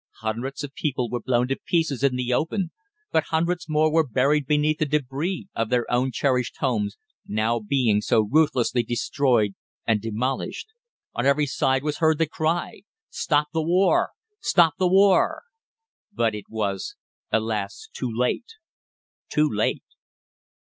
Hundreds of people were blown to pieces in the open but hundreds more were buried beneath the débris of their own cherished homes, now being so ruthlessly destroyed and demolished. On every side was heard the cry: "Stop the war stop the war!" But it was, alas! too late too late.